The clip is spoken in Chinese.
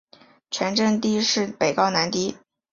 全镇地势北高南低。